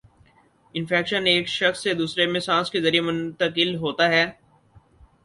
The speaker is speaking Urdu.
انفیکشن ایک شخص سے دوسرے میں سانس کے ذریعے منتقل ہوتا ہے